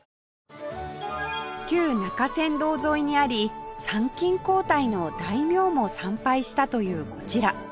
旧中山道沿いにあり参勤交代の大名も参拝したというこちら